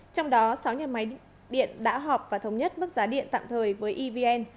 trong đó sáu nhà máy điện đã họp và thống nhất mức giá điện tạm thời với evn